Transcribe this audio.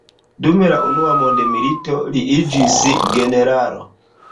Dum la unua mondmilito li iĝis generalo.